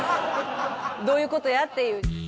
どういうことや？っていう。